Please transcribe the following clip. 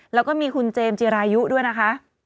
แล้วก็มีคุณเจมส์จิรายุด้วยนะคะ